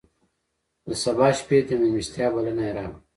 د سبا شپې د مېلمستیا بلنه یې راکړه.